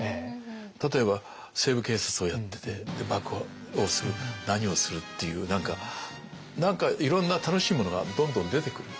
例えば「西部警察」をやってて爆破をする何をするっていう何かいろんな楽しいものがどんどん出てくる。